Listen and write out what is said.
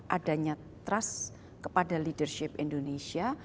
adanya trust kepada leadership indonesia